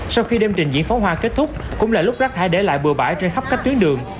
sau khi đêm trình diễn pháo hoa kết thúc cũng là lúc rác thải để lại bừa bãi trên khắp các tuyến đường